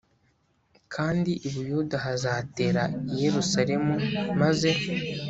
Kandi i buyuda hazatera i yerusalemu maze